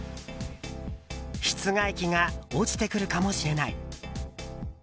室外機が落ちてくるかもしれない。